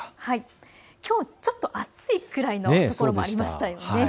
きょうちょっと暑いくらいの所もありましたよね。